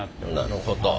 なるほど。